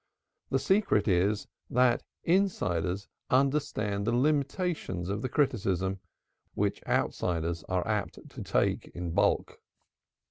The secret is, that insiders understand the limitations of the criticism, which outsiders are apt to take in bulk.